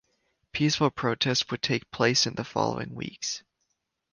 Peaceful protests would take place in the following weeks.